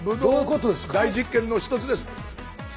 大実験の一つです。